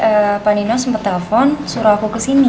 tante apa nino sempet telpon suruh aku kesini